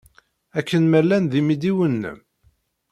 Akken ma llan d imidiwen-nnem?